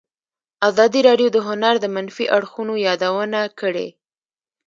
ازادي راډیو د هنر د منفي اړخونو یادونه کړې.